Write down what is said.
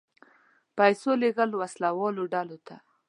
پیسو لېږل وسله والو ډلو ته.